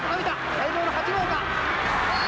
待望の８号か？